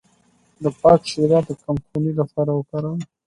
د پالک شیره د کمخونۍ لپاره وکاروئ